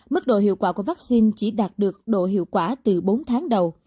mức độ hiệu quả của vaccine chỉ đạt được độ hiệu quả từ bốn tháng đầu